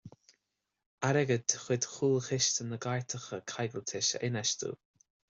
Airgead de chuid Chúlchiste na gCairteacha Coigiltis a infheistiú.